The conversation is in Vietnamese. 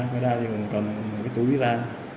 quay ra thì ông cầm cái túi ra